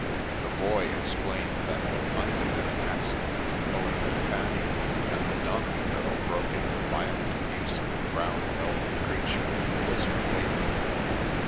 The Boy explained that there might have been an accident, owing to Fanny, and the donkey girl broke into violent abuse of the brown velvet creature who was her favourite.